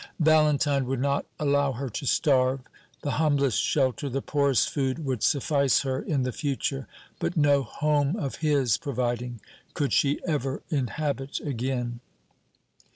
Valentine would not allow her to starve. The humblest shelter, the poorest food, would suffice her in the future; but no home of his providing could she ever inhabit again.